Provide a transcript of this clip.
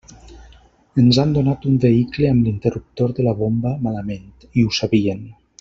Ens han donat un vehicle amb l'interruptor de la bomba malament i ho sabien.